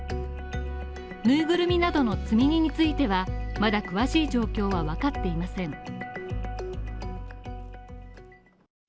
ぬいぐるみなどの積み荷についてはまだ詳しい状況はわかっていません。